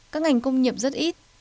các ngành công nghiệp rất ít